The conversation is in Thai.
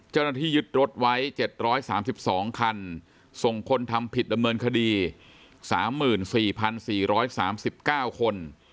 เจ้าหน้าที่ยึดรถไว้เจ็ดร้อยสามสิบสองคันส่งคนทำผิดดำเมินคดีสามหมื่นสี่พันสี่ร้อยสามสิบเก้าคน